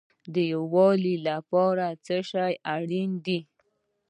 د یووالي لپاره څه شی اړین دی؟